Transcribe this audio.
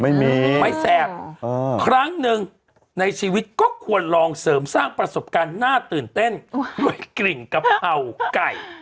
ไม่มีไม่แซ่บครั้งหนึ่งในชีวิตก็ควรลองเสริมสร้างประสบการณ์น่าตื่นเต้นด้วยกลิ่นกะเพราไก่